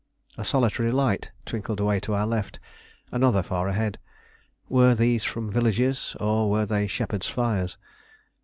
A solitary light twinkled away to our left, another far ahead. Were these from villages, or were they shepherds' fires?